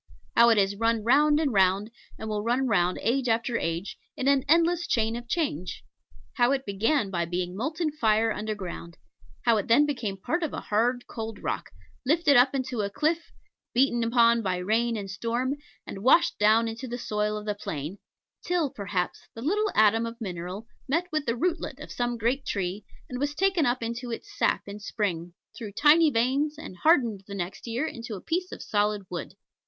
How it has run round and round, and will run round age after age, in an endless chain of change. How it began by being molten fire underground, how then it became part of a hard cold rock, lifted up into a cliff, beaten upon by rain and storm, and washed down into the soil of the plain, till, perhaps, the little atom of mineral met with the rootlet of some great tree, and was taken up into its sap in spring, through tiny veins, and hardened the next year into a piece of solid wood.